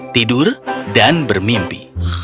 tidur dan bermimpi